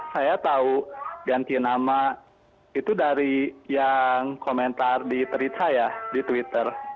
saya tahu ganti nama itu dari yang komentar di tweet saya di twitter